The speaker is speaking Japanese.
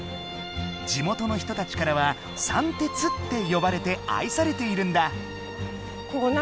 地元の人たちからは「さんてつ」ってよばれてあいされているんだ。